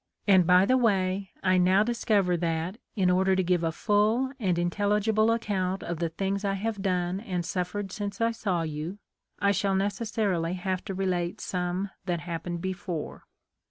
And, by the way, I now discover that, in order to give a full and intelligible account of the things I have done and suffered since I saw you, I shall necessarily have to relate some that happened before.